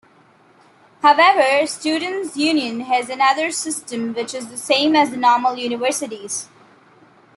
However, students' union has another system which is the same as the normal universities.